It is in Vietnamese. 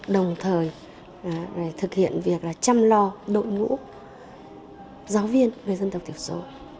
đồng thời thực hiện việc chăm lo đội ngũ giáo viên người dân tộc thiểu số